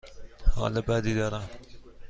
حال بدی دارم.